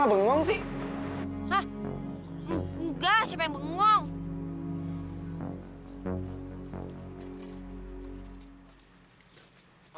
lo enggak boleh dagang sebelum lo kan